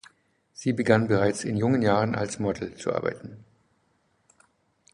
Sie begann bereits in jungen Jahren als Model zu arbeiten.